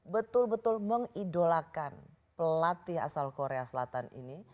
betul betul mengidolakan pelatih asal korea selatan ini